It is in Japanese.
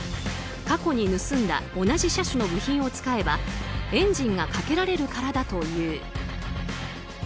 過去に盗んだ同じ車種の部品を使えばエンジンがかけられるからだという。